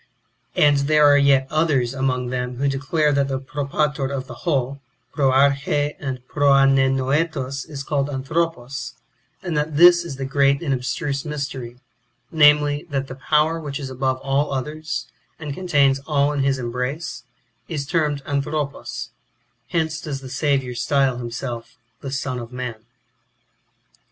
And there are yet others among them who declare that the Propator of the whole, Proarche, and Proanennoetos is called Anthropos ; and that this is the great and abstruse mystery, namely, that the Power which is above all others, and contains all in his embrace, is termed Anthropos ; hence does the Saviour style himself the ^' Son of man."